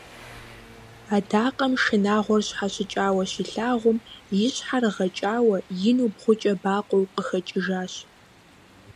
Адакъэм шынагъуэр щхьэщыкӀауэ щилъагъум, и щхьэр гъэкӀауэ, ину бгъукӀэ бакъуэу къыхэкӀыжащ.